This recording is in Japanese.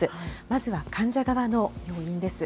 まずは患者側の要因です。